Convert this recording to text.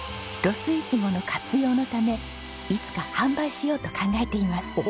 ロスイチゴの活用のためいつか販売しようと考えています。